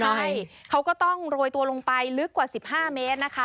ใช่เขาก็ต้องโรยตัวลงไปลึกกว่า๑๕เมตรนะคะ